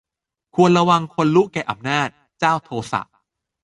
ควรระวังคนลุแก่อำนาจ เจ้าโทสะ